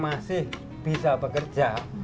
masih bisa bekerja